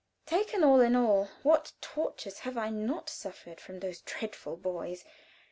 Taken all in all, what tortures have I not suffered from those dreadful boys.